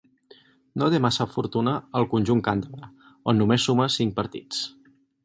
No té massa fortuna al conjunt càntabre, on només suma cinc partits.